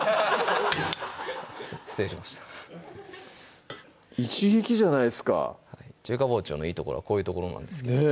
失礼しました一撃じゃないっすか中華包丁のいいところはこういうところなんです